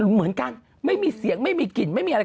เหมือนกันไม่มีเสียงไม่มีกลิ่นไม่มีอะไร